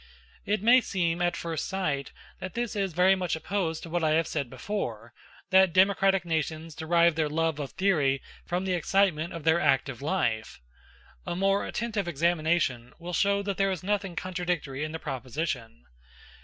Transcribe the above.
It may seem, at first sight, that this is very much opposed to what I have said before, that democratic nations derive their love of theory from the excitement of their active life. A more attentive examination will show that there is nothing contradictory in the proposition.